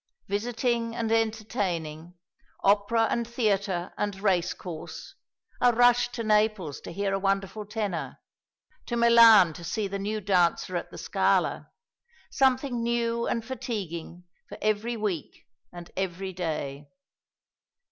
Visiting and entertaining, opera and theatre and race course; a rush to Naples to hear a wonderful tenor; to Milan to see the new dancer at the Scala; something new and fatiguing for every week and every day.